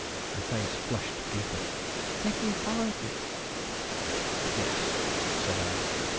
Her face flushed deeper. "Then you followed me?" "Yes," said I.